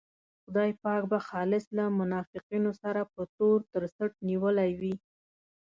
خدای پاک به خالص له منافقینو سره په تور تر څټ نیولی وي.